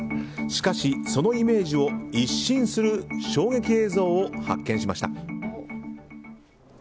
しかし、そのイメージを一新する衝撃映像を発見しました。